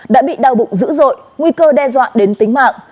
đã bị đau bụng dữ dội nguy cơ đe dọa đến tính mạng